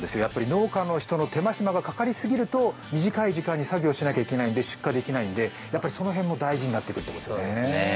農家の人の手間暇がかかりすぎると、短い時間に作業しなくてはいけないので出荷できないんでやっぱりその辺も大事になってくるんですね。